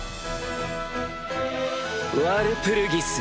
ワルプルギスに！